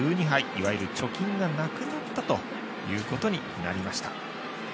いわゆる貯金がなくなったということになりました。